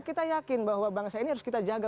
kita yakin bahwa bangsa ini harus kita jaga